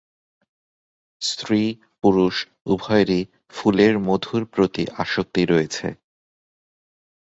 স্ত্রী পুরুষ উভয়েরই ফুলের মধুর প্রতি আসক্তি রয়েছে।